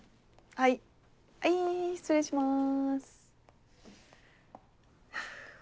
はいはい失礼します。